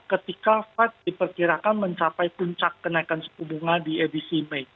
ketika fed diperkirakan mencapai puncak kenaikan suku bunga di edisi mei